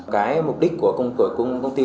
cái mục đích của công ty tôi